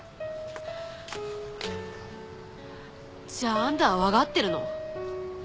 じゃああんたはわかってるの？